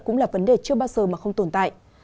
cũng là vấn đề chưa bao giờ mà không tồn tại